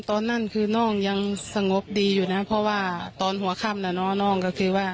ตอนนั้นคือน้องยังสงบดีอยู่นะเพราะว่าตอนหัวค่ำน่ะเนาะน้องก็คือว่า